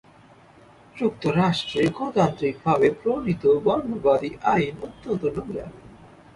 যুক্তরাষ্ট্রে গণতান্ত্রিকভাবে প্রণীত বর্ণবাদী আইন অত্যন্ত নোংরা।